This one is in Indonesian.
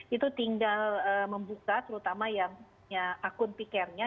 itu tinggal membuka terutama yang akun pikirnya